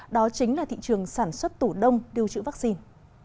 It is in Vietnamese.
đó chính là thị trường sản xuất tủ đông lưu trữ vaccine